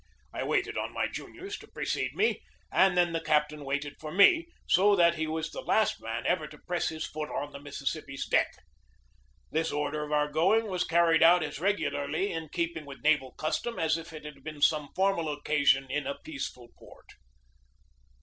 I waited on my juniors to precede me, and then the captain waited for me, so that he was the last man ever to press his foot on the Mississippi's deck. This order of our going was carried out as regularly in keeping with naval custom as if it had been some formal occasion in a peaceful port.